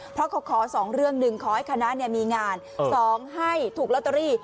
เพราะเขาขอ๒เรื่อง๑ขอให้คณะมีงาน๒ให้ถูกลอตเตอรี่